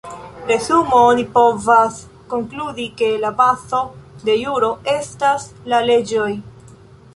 Resume oni povas konkludi ke la bazo de juro estas la leĝoj.